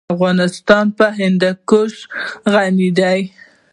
افغانستان په هندوکش غني دی.